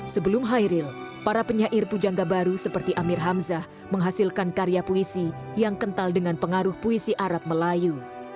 sebelum hairil para penyair pujangga baru seperti amir hamzah menghasilkan karya puisi yang kental dengan pengaruh puisi arab melayu